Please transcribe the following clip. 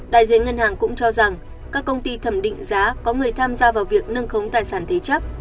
đại diện ngân hàng cũng cho rằng các công ty thẩm định giá có người tham gia vào việc nâng khống tài sản thế chấp